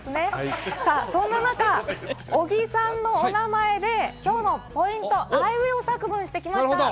そんな中、小木さんの名前できょうのポイント、あいうえお作文してきました。